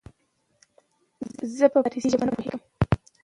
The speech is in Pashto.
زه په پاړسي زبه نه پوهيږم